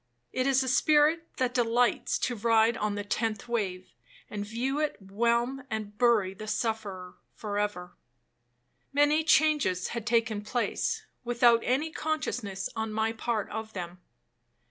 It is a spirit that delights to ride on the tenth wave, and view it whelm and bury the sufferer for ever. 'Many changes had taken place, without any consciousness on my part of them.